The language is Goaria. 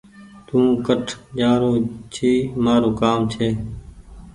تو ڪٺ جآرو ڇي مآرو ڪآم ڇي